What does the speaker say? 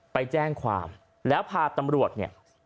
ไปแจ้งความแล้วพาตำรวจเนี่ย